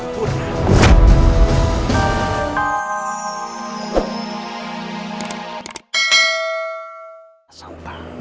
raka walak sum